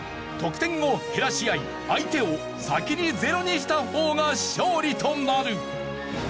得点を減らし合い相手を先にゼロにした方が勝利となる！